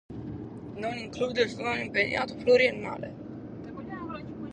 No includet su fundu pluriennale vinculadu.